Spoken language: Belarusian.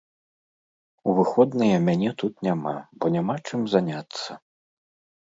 У выходныя мяне тут няма, бо няма чым заняцца.